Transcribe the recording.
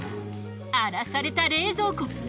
荒らされた冷蔵庫。